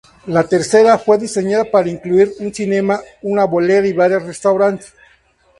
La tercera fue diseñada para incluir un cinema, una bolera y varios restaurantes.